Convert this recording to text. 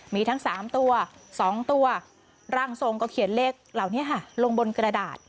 มีทั้ง๓ตัว๒ตัวร่างทรงก็เขียนเลขเหล่านี้ค่ะลงบนกระดาษ